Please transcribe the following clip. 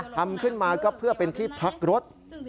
ทำขึ้นมาก็เพื่อเป็นที่พักรถ